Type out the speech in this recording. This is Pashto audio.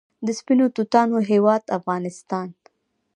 د سپینو توتانو هیواد افغانستان.